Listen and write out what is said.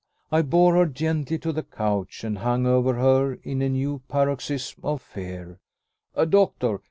I bore her gently to the couch, and hung over her in a new paroxysm of fear. "A doctor!